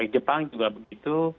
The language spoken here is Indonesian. jepang juga begitu